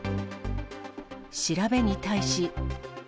調べに対し。